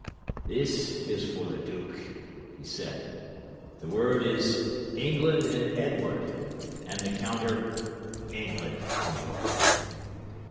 "This is for the duke," he said. "The word is 'England and Edward,' and the counter, 'England and York.'"